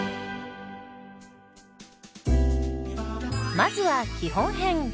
まずは基本編。